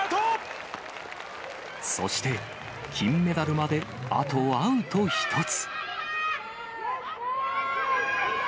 そして、金メダルまであとアウト１つ。